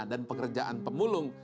dan pekerjaan pemulung